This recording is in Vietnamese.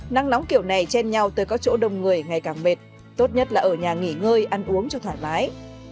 nắng nóng kiểu này chen nhau tới có chỗ đông người ngày càng mệt tốt nhất là ở nhà nghỉ ngơi ăn uống cho thoải mái